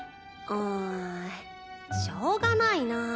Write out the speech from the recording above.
うんしょうがないなぁ。